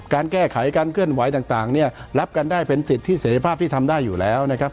การแก้ไขการเคลื่อนไหวต่างเนี่ยรับกันได้เป็นสิทธิเสร็จภาพที่ทำได้อยู่แล้วนะครับ